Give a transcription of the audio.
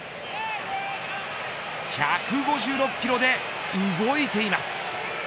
１５６キロで動いています。